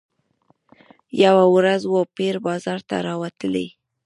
یوه ورځ وو پیر بازار ته راوتلی